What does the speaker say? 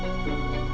tuhan aku mau nyunggu